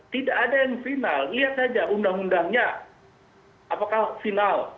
tidak ada yang final lihat saja undang undangnya apakah final